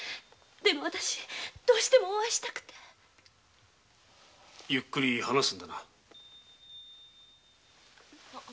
でも私どうしてもお会いしたくて。ゆっくり話すんだな。